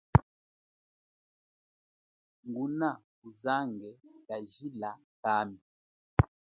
Ngunakuzange kajila kami.